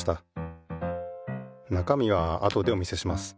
なかみはあとでお見せします。